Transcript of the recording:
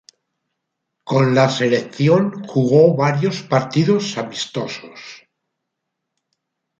Con la selección, jugó varios partidos amistosos.